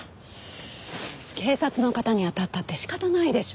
警察の方に当たったって仕方ないでしょ。